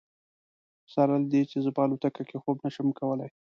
سره له دې چې زه په الوتکه کې خوب نه شم کولی.